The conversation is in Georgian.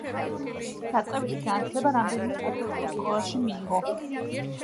დაწყებითი განათლება რამდენიმე კათოლიკურ სკოლაში მიიღო.